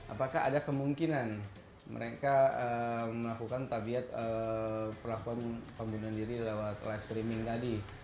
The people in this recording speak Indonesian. apakah ada kemungkinan mereka melakukan tabiat pelakuan pembunuhan diri lewat live streaming tadi